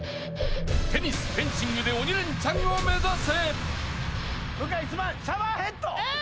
テニス、フェンシングで鬼レンチャンを目指す。